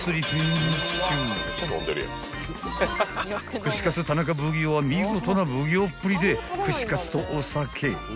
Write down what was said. ［串カツ田中奉行は見事な奉行っぷりで串カツとお酒］